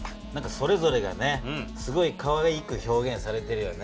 それぞれがすごいかわいく表現されてるよね。